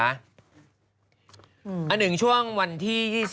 อันหนึ่งช่วงวันที่๒๔